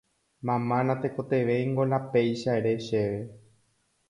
Mama natekotevẽingo la péicha ere chéve